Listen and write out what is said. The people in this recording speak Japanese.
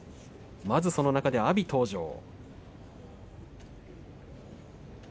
まずその中で阿炎登場。